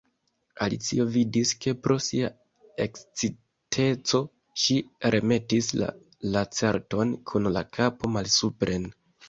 Alicio vidis, ke pro sia eksciteco ŝi remetis la Lacerton kun la kapo malsupren.